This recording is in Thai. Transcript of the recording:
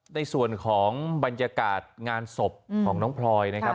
ในส่วนของบรรยากาศงานศพของน้องพลอยนะครับ